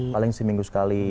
paling seminggu sekali